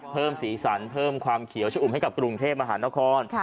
เพิ่มสีสันเพิ่มความเขียวจะอุ้มให้กับตรงเทพภาคนคร